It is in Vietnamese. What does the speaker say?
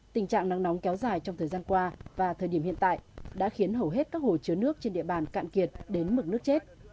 tình trạng nắng nóng kéo dài trong thời gian qua và thời điểm hiện tại đã khiến hầu hết các hồ chứa nước trên địa bàn cạn kiệt đến mực nước chết